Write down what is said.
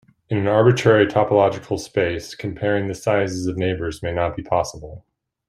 In an arbitrary topological space, comparing the sizes of neighborhoods may not be possible.